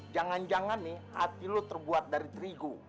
jangan jangan nih hati lo terbuat dari terigu